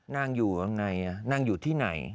นางอยู่ตรงไหนนางอยู่ที่ไหน